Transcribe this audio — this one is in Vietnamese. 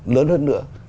lớn hơn nữa